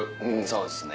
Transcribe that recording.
そうですね。